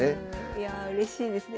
いやあうれしいですね。